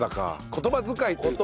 言葉遣いっていうかね。